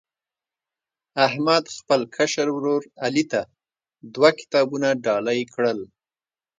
احمد خپل کشر ورر علي ته دوه کتابونه ډالۍ کړل.